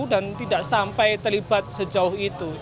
dan tidak sampai terlibat sejauh itu